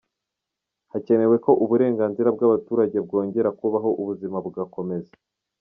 Hakenewe ko uburenganzira bw’abaturage bwongera kubaho ubuzima bugakomeza.